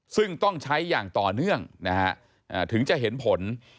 ซึ่งต้องใช้อย่างต่อเนื่องนะฮะถึงจะเห็นผล